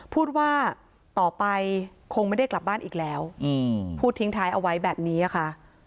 พูดว่าต่อไปคงไม่ได้กลับบ้านอีกแล้วพูดทิ้งท้ายเอาไว้แบบนี้ค่ะ